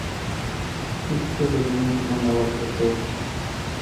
هیڅکله لمونځ مه ناوخته کاوه.